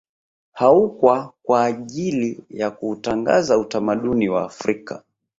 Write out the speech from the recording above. Haukwa kwa ajili ya kuutangaza utamaduni wa Afrika